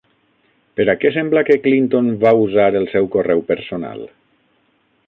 Per a què sembla que Clinton va usar el seu correu personal?